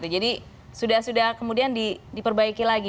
jadi sudah sudah kemudian diperbaiki lagi